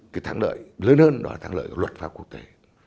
cái thắng lợi lớn hơn đó là thắng lợi của luật pháp quốc tế